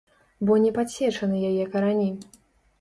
Бо не падсечаны яе карані.